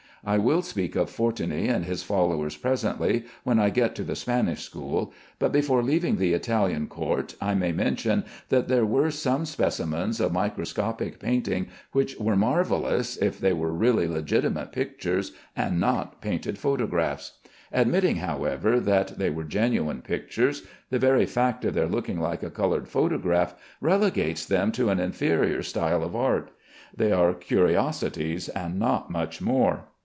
I will speak of Fortuny and his followers presently, when I get to the Spanish school, but before leaving the Italian Court I may mention that there were some specimens of microscopic painting which were marvellous if they were really legitimate pictures and not painted photographs. Admitting, however, that they were genuine pictures, the very fact of their looking like colored photographs relegates them to an inferior style of art. They are curiosities, and not much more.